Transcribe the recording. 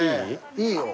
いいよ。